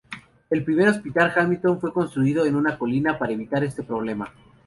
El primer hospital Hamilton fue construido en una colina para evitar este problema.